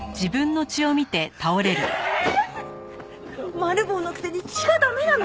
マル暴のくせに血が駄目なの！？